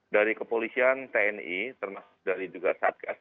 dari kepolisian tni termasuk dari juga satgas